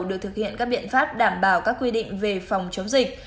được thực hiện các biện pháp đảm bảo các quy định về phòng chống dịch